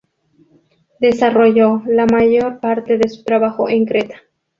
Desarrolló la mayor parte de su trabajo en Creta.